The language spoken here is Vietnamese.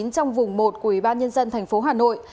trong vùng một của ủy ban nhân dân tp hà nội